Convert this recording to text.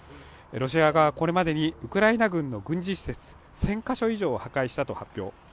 ロシア側はこれまでにウクライナ軍の軍事施設１０００か所以上を破壊したと発表